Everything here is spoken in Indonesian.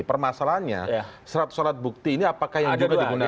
permasalahannya seratus alat bukti ini apakah yang juga digunakan